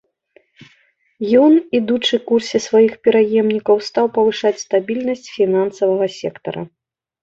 Ён, ідучы курсе сваіх пераемнікаў, стаў павышаць стабільнасць фінансавага сектара.